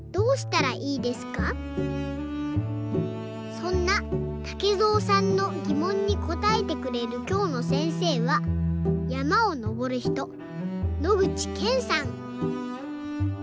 そんなたけぞうさんのぎもんにこたえてくれるきょうのせんせいはやまをのぼるひと野口健さん。